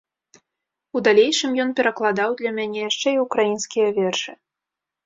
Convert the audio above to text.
У далейшым ён перакладаў для мяне яшчэ і ўкраінскія вершы.